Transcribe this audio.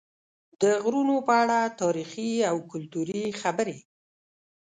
د غرونو په اړه تاریخي او کلتوري خبرې